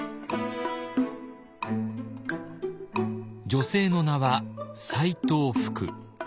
女性の名は斎藤福。